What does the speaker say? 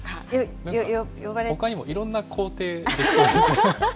ほかにもいろんな皇帝、できそうですね。